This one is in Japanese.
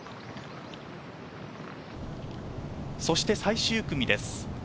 そして最終組です。